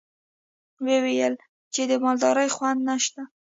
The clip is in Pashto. ويې ويل چې د مالدارۍ خونده نشته.